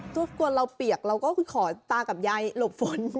ถ้ากลัวเราเปรียกเราก็ขอตากับยายหลบฝน